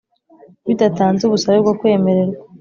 bidatanze ubusabe bwo kwemererwa